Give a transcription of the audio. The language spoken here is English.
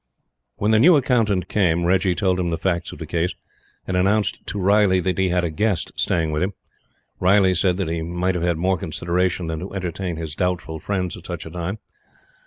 When the new Accountant came, Reggie told him the facts of the case, and announced to Riley that he had a guest staying with him. Riley said that he might have had more consideration than to entertain his "doubtful friends" at such a time.